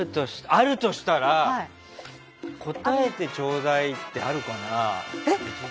あるとしたら「答えてちょうだい」ってあるかな。